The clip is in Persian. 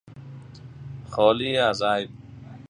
خالی از عیب